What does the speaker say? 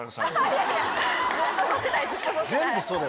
全部剃れ！